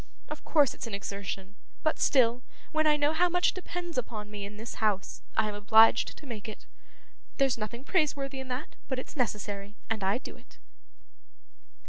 Of course it's an exertion, but still, when I know how much depends upon me in this house, I am obliged to make it. There's nothing praiseworthy in that, but it's necessary, and I do it.